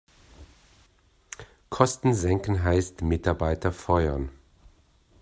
Kosten senken heißt Mitarbeiter feuern.